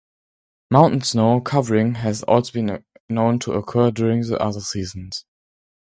Mountain snow covering has also been known to occur during the other seasons.